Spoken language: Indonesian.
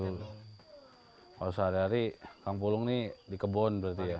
kalau sehari hari kang pulung ini di kebun berarti ya